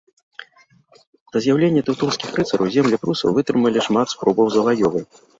Да з'яўлення тэўтонскіх рыцараў землі прусаў вытрымалі шмат спробаў заваёвы.